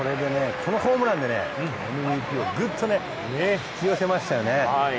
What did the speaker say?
このホームランでセ・リーグに勢いをぐっと引き寄せましたよね。